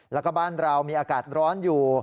แล้วก็บ้านเรามีอากาศร้อนอยู่